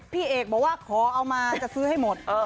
พี่เอกบอกว่าขอเอามาจะซื้อให้หมด